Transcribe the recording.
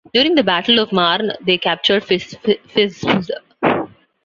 During the Battle of Marne, they captured Fismes.